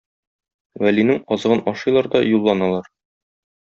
Вәлинең азыгын ашыйлар да юлланалар.